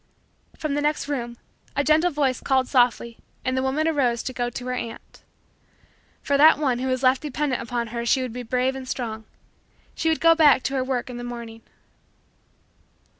From the next room, a gentle voice called softly and the woman arose to go to her aunt. For that one who was left dependent upon her she would be brave and strong she would go back to her work in the morning.